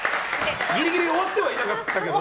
ギリギリ終わってはいなかったけど？